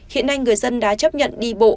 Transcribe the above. hiện nay người dân đã chấp nhận đi bộ